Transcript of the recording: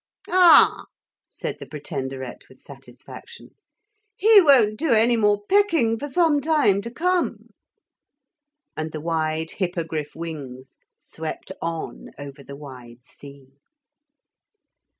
'Ah!' said the Pretenderette with satisfaction, 'he won't do any more pecking for some time to come.' And the wide Hippogriff wings swept on over the wide sea.